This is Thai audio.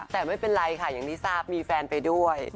แต่ไม่เป็นไรค่ะอย่างที่ทราบมีแฟนไปด้วย